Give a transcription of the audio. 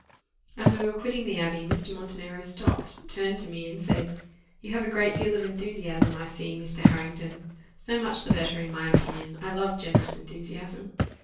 As we were quitting the Abbey, Mr. Montenero stopped, turned to me, and said, "You have a great deal of enthusiasm, I see, Mr. Harrington: so much the better, in my opinion I love generous enthusiasm."